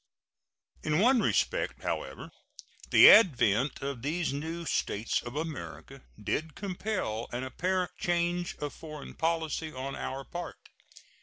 In one respect, however, the advent of these new States in America did compel an apparent change of foreign policy on our part.